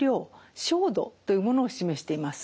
照度というものを示しています。